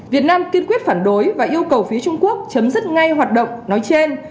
việt nam kiên quyết phản đối và yêu cầu phía trung quốc chấm dứt ngay hoạt động nói trên